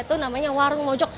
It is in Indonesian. itu namanya warung mojok